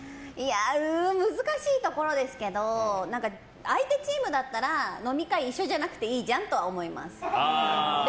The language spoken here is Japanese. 難しいところですけど相手チームだったら飲み会一緒じゃなくていいじゃんとは思います。